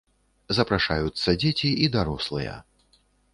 Запрашаюцца дзеці і дарослыя.